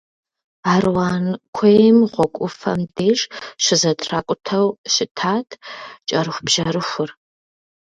Аруан куейм гъуэгу ӏуфэм деж щызэтракӏутэу щытат кӏэрыхубжьэрыхур.